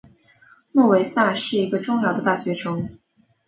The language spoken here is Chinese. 诺维萨是一个重要的大学城。